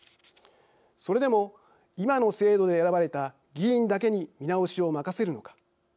それでも今の制度で選ばれた議員だけに見直しを任せるのか。